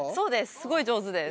すごい上手です。